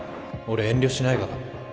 俺遠慮しないから